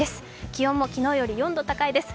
気温も昨日より４度高いです。